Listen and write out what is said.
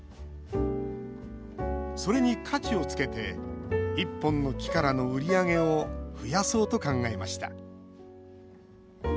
それに価値をつけて１本の木からの売り上げを増やそうと考えました。